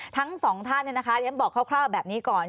ทั้งสองท่านเนี่ยนะคะยังอยากบอกคร่าวแบบนี้ก่อน